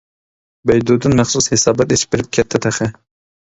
بەيدۇدىن مەخسۇس ھېسابات ئېچىپ بېرىپ كەتتى تېخى.